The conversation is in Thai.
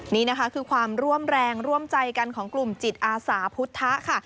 นี่นะคะคือความร่วมแรงร่วมใจกันของกลุ่มจิตอาสาพุทธค่ะ